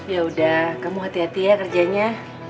yaudah kamu hati hati ya kerjanya